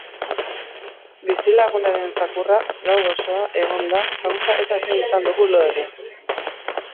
Bizilagunaren zakurra gau osoa egon da zaunka eta ezin izan dugu lo egin.